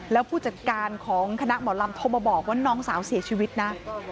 แล้วผู้จัดการของคณะหมอลำโทรมาบอกว่าน้องสาวเสียชีวิตนะ